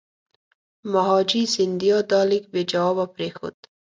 مهاجي سیندیا دا لیک بې جوابه پرېښود.